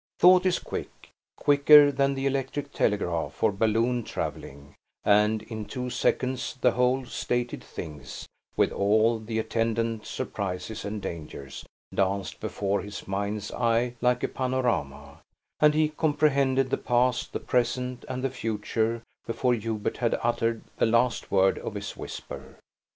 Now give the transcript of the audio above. Thought is quick quicker than the electric telegraph or balloon traveling; and in two seconds the whole stated things, with all the attendant surprises and dangers, danced before his mind's eye like a panorama; and he comprehended the past, the present, and the future, before Hubert had uttered the last word of his whisper.